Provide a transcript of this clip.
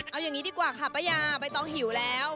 เอาอย่างนี้ดีกว่าค่ะป้ายาใบตองหิวแล้ว